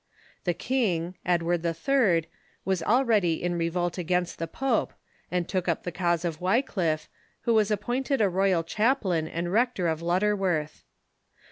The king, Edward HI., was already in revolt against the pope, and took up the cause of Wycliffe, who was appointed a royal chaplain and rector of Lutterworth.